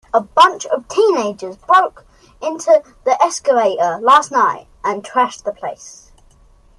A bunch of teenagers broke into the excavator last night and trashed the place.